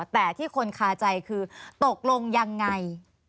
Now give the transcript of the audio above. แต่ที่คนคาใจคือตกลงยังไง